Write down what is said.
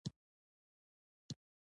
ژوی مه وژنه.